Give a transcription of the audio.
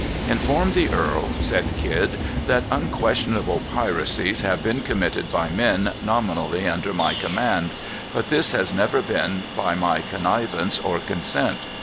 "Inform the earl," said Kidd, "that unquestionable piracies have been committed by men nominally under my command. But this has never been by my connivance or consent.